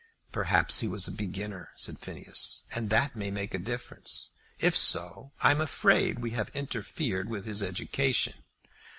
"Perhaps he was a beginner," said Phineas, "and that may make a difference. If so, I'm afraid we have interfered with his education."